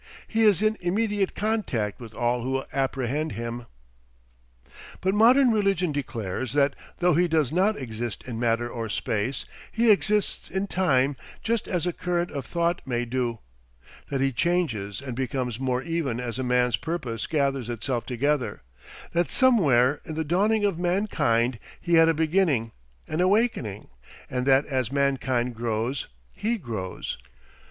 He is in immediate contact with all who apprehend him. ... But modern religion declares that though he does not exist in matter or space, he exists in time just as a current of thought may do; that he changes and becomes more even as a man's purpose gathers itself together; that somewhere in the dawning of mankind he had a beginning, an awakening, and that as mankind grows he grows.